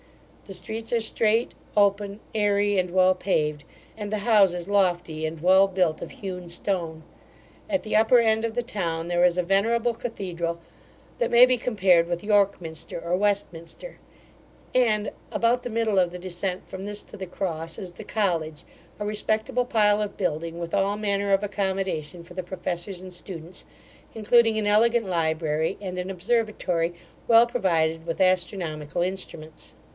The streets are straight, open, airy, and well paved; and the houses lofty and well built of hewn stone. At the upper end of the town, there is a venerable cathedral, that may be compared with York minster or West minster; and, about the middle of the descent from this to the Cross, is the college, a respectable pile of building, with all manner of accommodation for the professors and students, including an elegant library, and a observatory well provided with astronomical instruments.